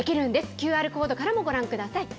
ＱＲコードからもご覧ください。